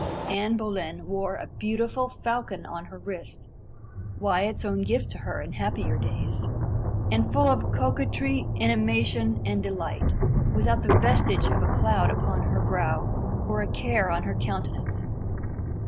Anne Boleyn bore a beautiful falcon on her wrist Wyat's own gift to her in happier days and looked full of coquetry, animation, and delight without the vestige of a cloud upon her brow, or a care on her countenance.